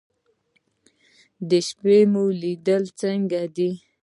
د شپې مو لید څنګه دی؟